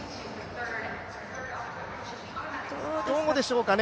どうでしょうかね